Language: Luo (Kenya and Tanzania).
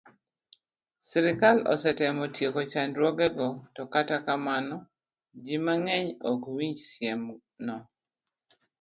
Sirkal osetemo tieko chandruogego, to kata kamano, ji mang'eny ok winj siemno.